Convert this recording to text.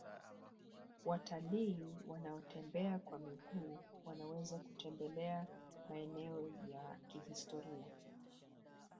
watalii wanaotembea kwa miguu wanaweza kutembelea maeneo ya kihistoria